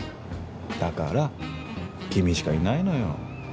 だから君しかいないのよ。